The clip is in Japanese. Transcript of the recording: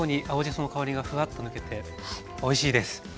その香りがふわっと抜けておいしいです。